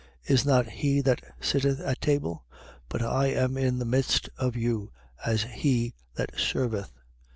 Is not he that sitteth at table? But I am in the midst of you, as he that serveth.